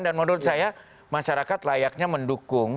dan menurut saya masyarakat layaknya mendukung